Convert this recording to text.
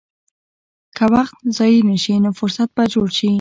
که وخت ضایع نه شي، نو فرصت به جوړ شي.